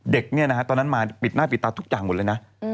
เด็กเนี่ยนะฮะตอนนั้นมาปิดหน้าปิดตาทุกอย่างหมดเลยนะ